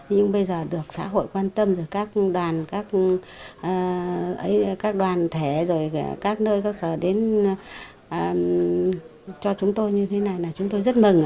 nhưng bây giờ được xã hội quan tâm rồi các đoàn thẻ rồi các nơi các sở đến cho chúng tôi như thế này là chúng tôi rất mừng